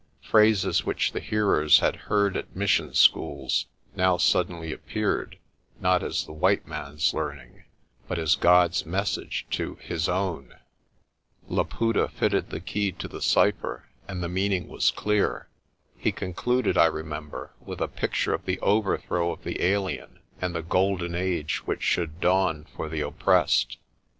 Phrases which the hearers had heard at mis sion schools now suddenly appeared, not as the white man's learning, but as God's message to His own. Laputa fitted 142 PRESTER JOHN the key to the cipher and the meaning was clear. He con cluded, I remember, with a picture of the overthrow of the alien and the golden age which should dawn for the op pressed.